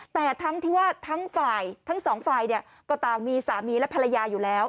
แต่ทั้งที่ว่าทั้งฝ่ายทั้งสองฝ่ายก็ต่างมีสามีและภรรยาอยู่แล้ว